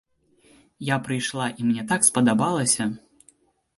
Я прыйшла і мне так спадабалася!